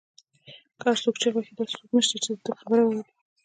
که هر څو چیغې وهي داسې څوک نشته، چې د ده خبره واوري